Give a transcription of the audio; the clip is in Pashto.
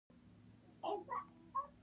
رسۍ د باور زنجیر دی.